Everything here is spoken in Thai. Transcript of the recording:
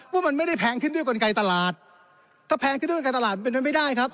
ว่ามันไม่ได้แพงขึ้นด้วยกลไกตลาดถ้าแพงขึ้นด้วยกลไกตลาดมันเป็นไปไม่ได้ครับ